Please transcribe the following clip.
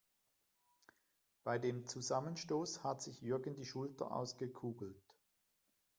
Bei dem Zusammenstoß hat sich Jürgen die Schulter ausgekugelt.